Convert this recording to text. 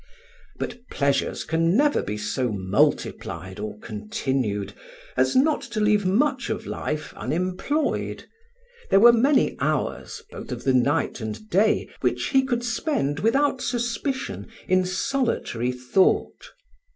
But pleasures can never be so multiplied or continued as not to leave much of life unemployed; there were many hours, both of the night and day, which he could spend without suspicion in solitary thought.